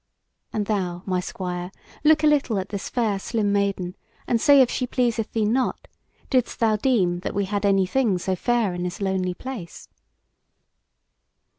And thou, my Squire, look a little at this fair slim Maiden, and say if she pleaseth thee not: didst thou deem that we had any thing so fair in this lonely place?"